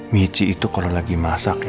mieji itu kalau lagi masak